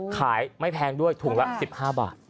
ขายไม่แพงด้วยถูกละ๑๕บาท